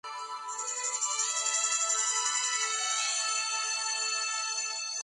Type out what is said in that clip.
La mayoría tiene menos de tres kilómetros cuadrados de terreno.